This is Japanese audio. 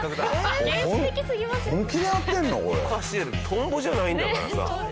トンボじゃないんだからさ。